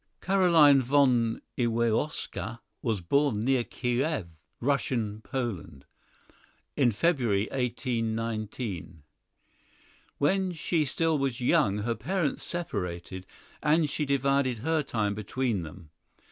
Carolyne von Iwanowska was born near Kiew, Russian Poland, in February, 1819. When she still was young her parents separated, and she divided her time between them.